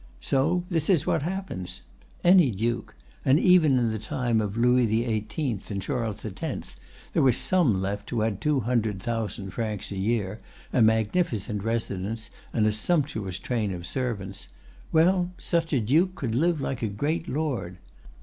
So this is what happens: Any duke—and even in the time of Louis XVIII. and Charles X. there were some left who had two hundred thousand francs a year, a magnificent residence, and a sumptuous train of servants—well, such a duke could live like a great lord.